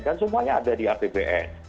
dan semuanya ada di apbn